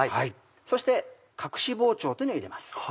そして隠し包丁というのを入れます。